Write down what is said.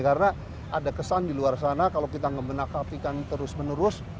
karena ada kesan di luar sana kalau kita menangkap ikan terus menerus